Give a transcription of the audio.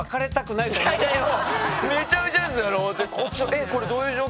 えっこれどういう状況？って。